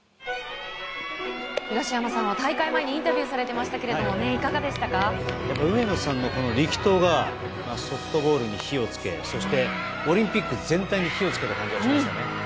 東山さん、大会前にインタビューされてましたけども上野さんの力投がソフトボールに火を付けそして、オリンピック全体に火を付けた感じがしますよね。